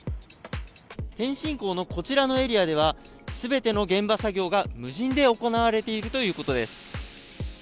天津港のこちらのエリアでは全ての現場作業が無人で行われているということです。